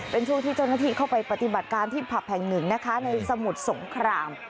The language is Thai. เป็นช่วงที่เจ้าหน้าที่เข้าไปปฏิบัติการที่ผับแห่งหนึ่งนะคะในสมุทรสงคราม